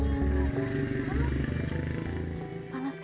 saya juga harus belajar